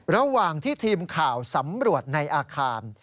ระหว่างที่ทีมข่าวสำรวจในอาคาร